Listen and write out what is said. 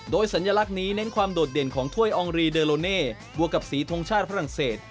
โดยสัญลักษณ์นี้เน้นความโดดเด่นของถ้วยอองรีเดอร์โลเน่บวกกับสีทงชาติฝรั่งเศส